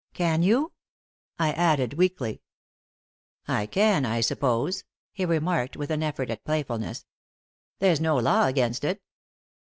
"Can you?" I added, weakly. "I can, I suppose," he remarked, with an effort at playfulness. "There's no law against it."